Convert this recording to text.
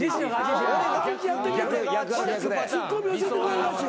ツッコミ教えてもらえるらしいわ。